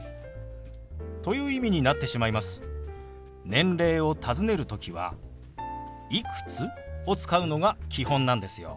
年齢をたずねる時は「いくつ？」を使うのが基本なんですよ。